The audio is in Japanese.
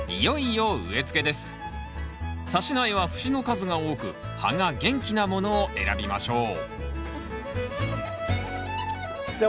さし苗は節の数が多く葉が元気なものを選びましょうじゃあ